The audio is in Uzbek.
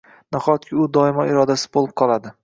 Nahotki u doimo irodasiz bo‘lib qoladi?